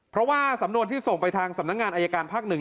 เพราะว่าสำนวนที่ส่งไปทางสำนักงานอายการภาค๑